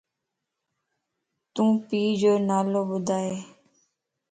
تون پيءَ جو نالو ٻڌائي؟